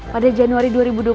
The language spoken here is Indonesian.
pada januari dua ribu dua puluh